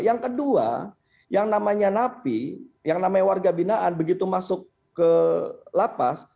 yang kedua yang namanya napi yang namanya warga binaan begitu masuk ke lapas